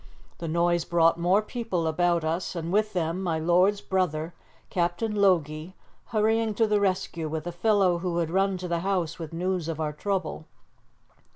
The noise brought more people about us, and with them my lord's brother, Captain Logie, hurrying to the rescue with a fellow who had run to the house with news of our trouble.